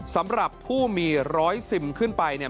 สำหรับผู้มีร้อยซิมขึ้นไปเนี่ย